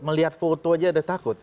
melihat foto saja ada takut